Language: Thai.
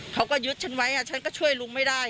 เขาก็ยึดฉันไว้ฉันก็ช่วยลุงไม่ได้